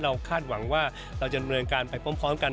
คาดหวังว่าเราจะดำเนินการไปพร้อมกัน